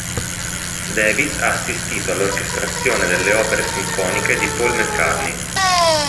Davis ha assistito all'orchestrazione delle opere sinfoniche di Paul McCartney.